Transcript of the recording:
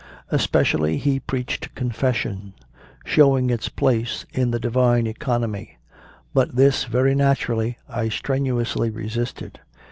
Especially he preached Confession, show ing its place in the divine economy; but this, very naturally, I strenuously resisted.